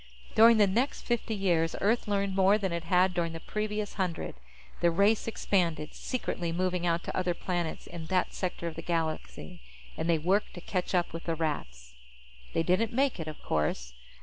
During the next fifty years, Earth learned more than it had during the previous hundred. The race expanded, secretly, moving out to other planets in that sector of the galaxy. And they worked to catch up with the Rats. They didn't make it, of course.